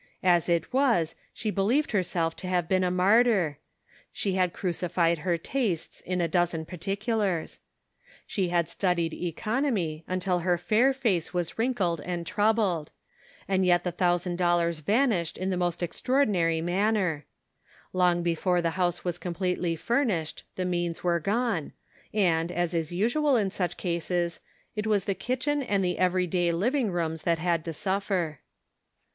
As it was, she believed herself to have been a martyr — she had crucified her tastes in a dozen particu lars. She had studied economy until her fair Cake and Benevolence. 59 face was wrinkled and troubled ; and yet the thousand dollars vanished in the most extra ordinary manner ! Long before the house was completely furnished the means were gone, and, as is usual in such cases, it was the kitchen and the every day living rooms that had to suffer.